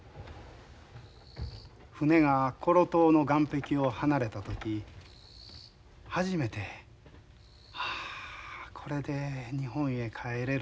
船がコロ島の岸壁を離れた時初めて「あこれで日本へ帰れるんやなあ」と思て。